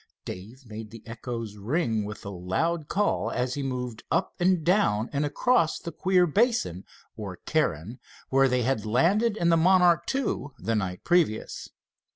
Dave made the echoes ring with the loud call as he moved up and down and across the queer basin, or cairn, where they had landed in the Monarch II the night previous.